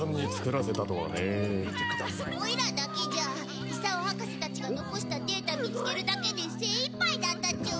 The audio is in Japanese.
おいらだけじゃ功博士たちが残したデータ見つけるだけで精いっぱいだったチュン。